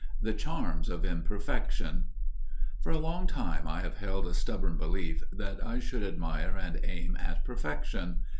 *The Charms of Imperfection* For a long time I have held a stubborn belief that I should admire and aim at perfection.